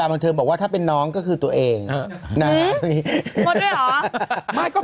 อึกอึกอึกอึกอึกอึกอึก